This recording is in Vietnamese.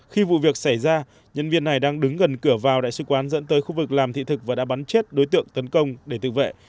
khi vụ việc xảy ra nhân viên này đang đứng gần cửa vào đại sứ quán dẫn tới khu vực làm thị thực và đã bắn chết đối tượng tấn công để tự vệ